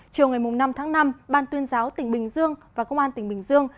chiều ngày năm tháng năm ban tuyên giáo tỉnh bình dương và công an tỉnh bình dương